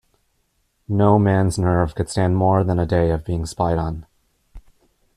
No man’s nerve could stand more than a day of being spied on.